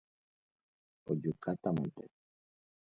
Pojukátamante.